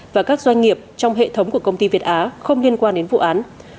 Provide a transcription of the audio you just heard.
và các doanh nghiệp trong hệ thống của công ty việt á không liên quan đến vụ án